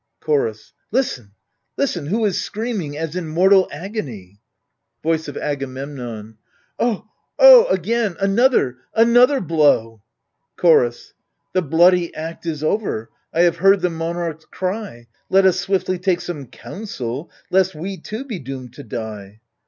Chorus Listen, listen ! who is screaming as in mortal agony? Voice of Agamemnon 010! again, another, another blow I Chorus The bloody act is over — I have heard the monarch's cry — Let us swiftly take some counsel, lest we too be doomed to die.